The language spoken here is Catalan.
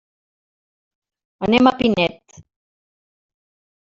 Anem a Pinet.